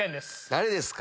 誰ですか？